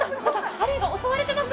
ハリーが襲われてます